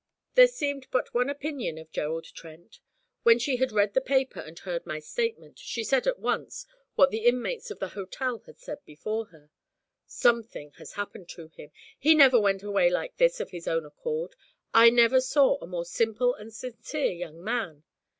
There seemed but one opinion of Gerald Trent. When she had read the paper and heard my statement, she said, at once, what the inmates of the hotel had said before her: 'Something has happened him. He never went away like this of his own accord. I never saw a more simple and sincere young man.'